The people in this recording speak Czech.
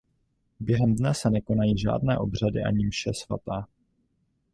Během dne se nekonají žádné obřady ani mše svatá.